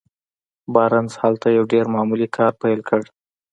بارنس هلته يو ډېر معمولي کار پيل کړ.